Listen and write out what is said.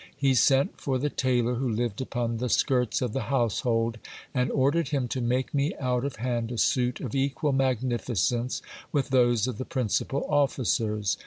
He sent for the tailor who lived upon the skirts of the household, and ordered him to make me out of hand a suit of equal magnificence with those of the principal officers.